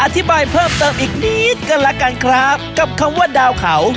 อธิบายเพิ่มเติมอีกนิดก็แล้วกันครับกับคำว่าดาวเขา